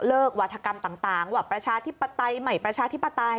วาธกรรมต่างว่าประชาธิปไตยใหม่ประชาธิปไตย